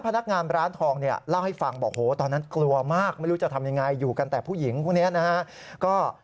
พนักงานร้านทองเนี่ยเล่าให้ฟังบอกโหตอนนั้นกลัวมากไม่รู้จะทำยังไงอยู่กันแต่ผู้หญิงพวกนี้นะฮะ